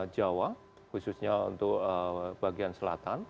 jawa khususnya untuk bagian selatan